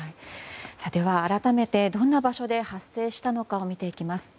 改めてどんな場所で発生したのかを見ていきます。